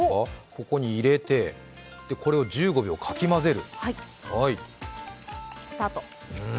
ここに入れて、これを１５秒かき混ぜる。